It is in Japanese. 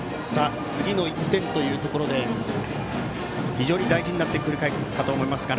次の１点というところで非常に大事になってくる回ですが。